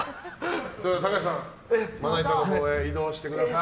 高橋さん、まな板のほうへ移動してください。